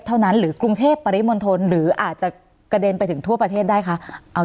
สนับสนุนโดยพี่โพเพี่ยวสะอาดใสไร้คราบ